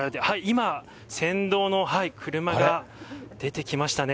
今、先導の車が出てきましたね。